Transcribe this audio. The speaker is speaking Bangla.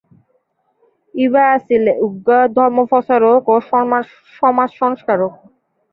তিনি ছিলেন একজন ধর্মপ্রচারক ও সমাজ সংস্কারক।